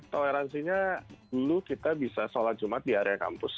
toleransinya dulu kita bisa sholat jumat di area kampus